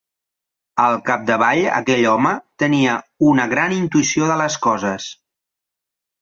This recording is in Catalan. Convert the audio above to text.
Al capdavall aquell home, tenia una gran intuïció de les coses.